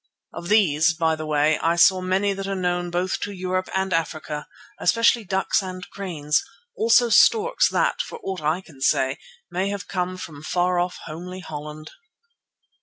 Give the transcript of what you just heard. Of these, by the way, I saw many that are known both to Europe and Africa, especially ducks and cranes; also storks that, for aught I can say, may have come from far off, homely Holland.